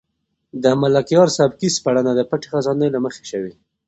د ملکیار سبکي سپړنه د پټې خزانې له مخې شوې.